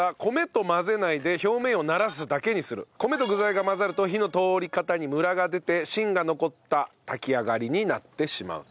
米と具材が混ざると火の通り方にムラが出て芯が残った炊き上がりになってしまうと。